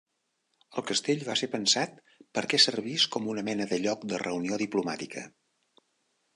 El castell va ser pensat perquè servis com una mena de lloc de reunió diplomàtica.